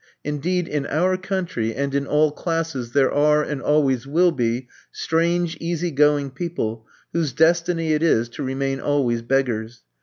Indeed, in our country, and in all classes, there are, and always will be, strange easy going people whose destiny it is to remain always beggars.